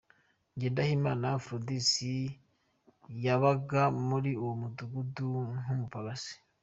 Ngendahimana Aphrodis yabaga muri uwo mudugudu nk’umupagasi.